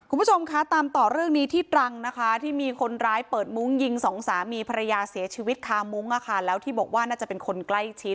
คุณผู้ชมคะตามต่อเรื่องนี้ที่ตรังนะคะที่มีคนร้ายเปิดมุ้งยิงสองสามีภรรยาเสียชีวิตคามุ้งอะค่ะแล้วที่บอกว่าน่าจะเป็นคนใกล้ชิด